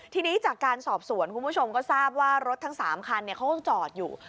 ทีนี้จากการสอบสวนคุณผู้ชมก็ทราบว่ารถทั้ง๓คันเขาก็จอดอยู่